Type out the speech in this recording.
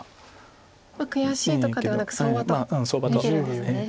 悔しいとかではなく相場と見てるんですね。